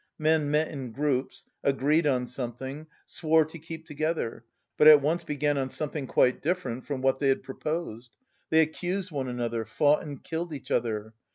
Men met in groups, agreed on something, swore to keep together, but at once began on something quite different from what they had proposed. They accused one another, fought and killed each other.